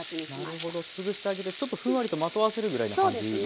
なるほど潰してあげるとちょっとふんわりとまとわせるぐらいな感じになるんですね。